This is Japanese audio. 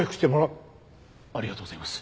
ありがとうございます！